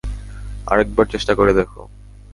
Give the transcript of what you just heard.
আরেকবার চেষ্টা করে দেখো।